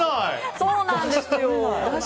そうなんですよ！